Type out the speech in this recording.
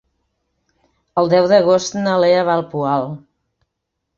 El deu d'agost na Lea va al Poal.